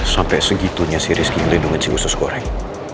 sampai segitunya si rizky melindungi si wusus goreng